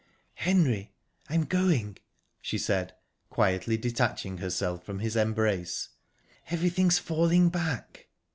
"Henry, I'm going!" she said, quietly detaching herself from his embrace..."Everything's falling back..."